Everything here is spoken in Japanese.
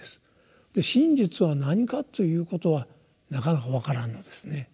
真実は何かということはなかなか分からんのですね。